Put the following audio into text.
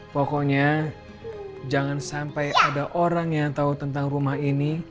pokoknya jangan sampai ada orang yang tahu tentang rumah ini